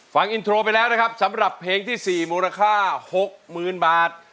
ฟังอินโทรไปแล้วนะครับสำหรับเพลงที่๔มูลค่า๖๐๐๐บาท